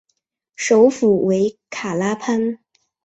首府为卡拉潘。